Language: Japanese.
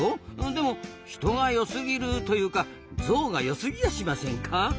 でも人がよすぎるというかゾウがよすぎやしませんか？